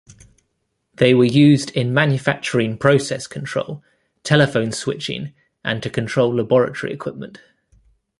They were used in manufacturing process control, telephone switching and to control laboratory equipment.